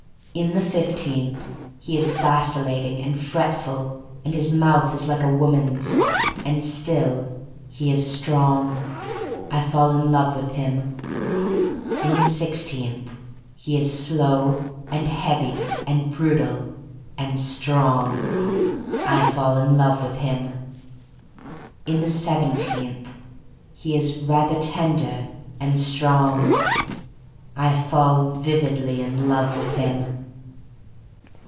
In the fifteenth he is vacillating and fretful and his mouth is like a wo man's — and still he is strong. I fall in love with him. In the sixteenth he is slow and heavy THE STORY OF MARY MAC LANE 255 and brutal — and strong. I fall in love with him. In the seventeenth he is rather ten der — and strong. I fall vividly in love with him.